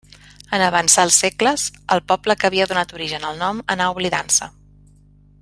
En avançar els segles, el poble que havia donat origen al nom anà oblidant-se.